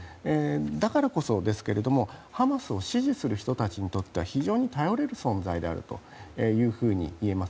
だからこそですがハマスを支持する人たちにとっては非常に頼れる存在だといえます。